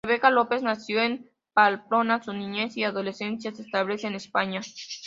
Rebeca López nació en Pamplona su niñez y adolescencia se estableció en España.